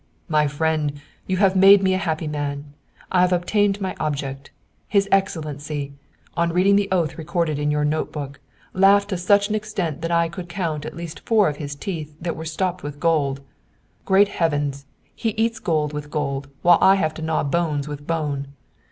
"My friend, you have made me a happy man. I have obtained my object. His Excellency, on reading the oath recorded in your note book, laughed to such an extent that I could count at least four of his teeth that were stopped with gold. Great Heaven! he eats gold with gold, while I have to gnaw bones with bone!